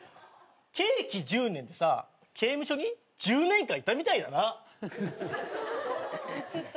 「ケーキ１０年」ってさ刑務所に１０年間いたみたいやな。